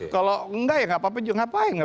kalau enggak ya gak apa apa juga ngapain